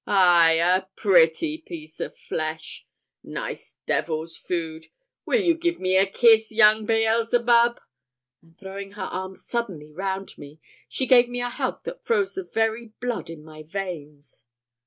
ay, a pretty piece of flesh! nice devil's food! will you give me a kiss, young Beelzebub?" And throwing her arms suddenly round me, she gave me a hug that froze the very blood in my veins.